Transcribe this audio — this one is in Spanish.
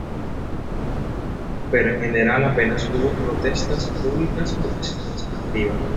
Pero en general a penas hubo protestas públicas o resistencia activa.